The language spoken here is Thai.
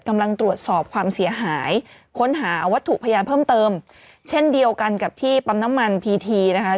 กำลังตรวจสอบความเสียหายค้นหาวัตถุพยานเพิ่มเติมเช่นเดียวกันกับที่ปั๊มน้ำมันพีทีนะคะ